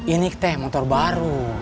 ini teh motor baru